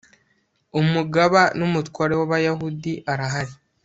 umugaba n'umutware w'abayahudi arahari